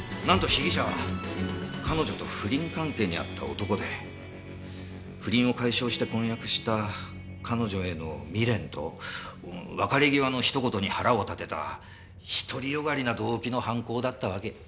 なんと被疑者は彼女と不倫関係にあった男で不倫を解消して婚約した彼女への未練と別れ際のひと言に腹を立てた独り善がりな動機の犯行だったわけ。